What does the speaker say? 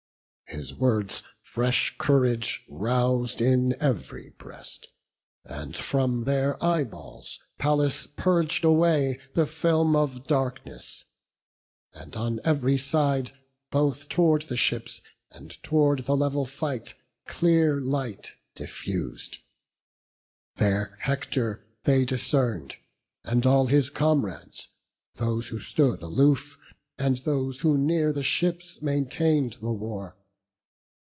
His words fresh courage rous'd in ev'ry breast; And from their eyeballs Pallas purg'd away The film of darkness; and on ev'ry side, Both tow'rd the ships and tow'rd the level fight, Clear light diffus'd; there Hector they discern'd, And all his comrades, those who stood aloof, And those who near the ships maintain'd the war.